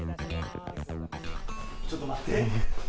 ちょっと待って。